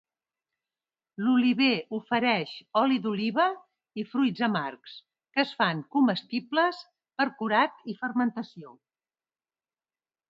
L'oliver ofereix oli d'oliva i fruits amargs, que es fan comestibles per curat i fermentació.